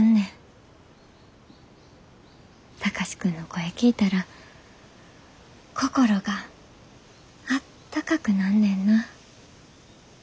貴司君の声聞いたら心があったかくなんねんな。